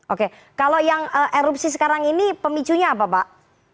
oke kalau yang erupsi sekarang ini pemicunya apa pak